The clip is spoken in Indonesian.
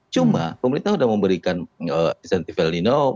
cuma pemerintah sudah memberikan asistensi felino